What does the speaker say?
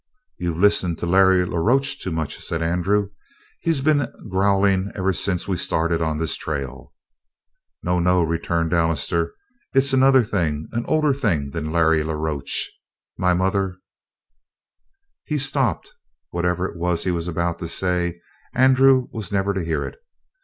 "You've listened to Larry la Roche too much," said Andrew. "He's been growling ever since we started on this trail." "No, no!" returned Allister. "It's another thing, an older thing than Larry la Roche. My mother " He stopped. Whatever it was that he was about to say, Andrew was never to hear it.